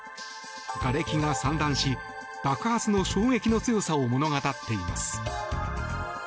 がれきが散乱し、爆発の衝撃の強さを物語っています。